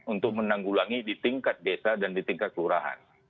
untuk menanggulangi di tingkat desa dan di tingkat kelurahan